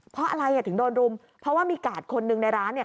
เพราะอะไรอ่ะถึงโดนรุมเพราะว่ามีกาดคนหนึ่งในร้านเนี่ย